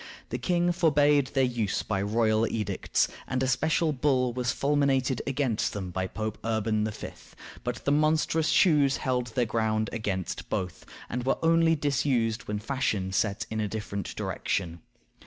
The king forbade their use by royal edicts, and a special bull was fulminated against them by Pope Urban V., but the monstrous shoes held their ground against both, and were only disused when fashion set in a different direction.